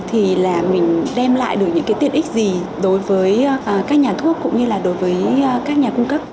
thì là mình đem lại được những cái tiện ích gì đối với các nhà thuốc cũng như là đối với các nhà cung cấp